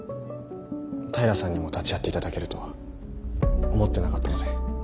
平さんにも立ち会っていただけるとは思ってなかったので。